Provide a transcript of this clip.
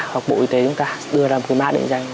hoặc bộ y tế chúng ta đưa ra một cái mã định danh